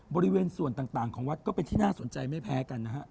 บริเวณส่วนต่างของวัดก็เป็นที่น่าสนใจไม่แพ้กันนะฮะ